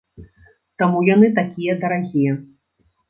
Таму яны такія дарагія.